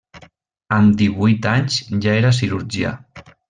Amb divuit anys ja era cirurgià.